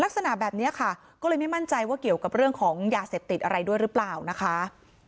ลักษณะแบบนี้ค่ะก็เลยไม่มั่นใจว่าเกี่ยวกับเรื่องของยาเสพติดอะไรด้วยหรือเปล่านะคะ